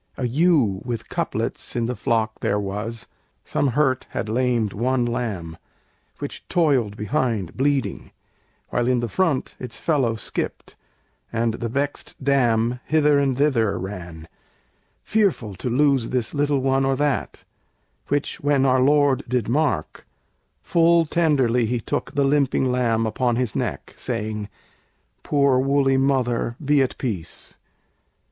A ewe with couplets in the flock there was: Some hurt had lamed one lamb, which toiled behind Bleeding, while in the front its fellow skipped, And the vexed dam hither and thither ran, Fearful to lose this little one or that; Which when our Lord did mark, full tenderly He took the limping lamb upon his neck, Saying, "Poor wooly mother, be at peace!